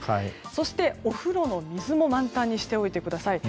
そして、お風呂の水も満タンにしておいてください。